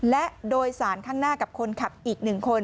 และโดยสารข้างหน้ากับคนขับอีก๑คน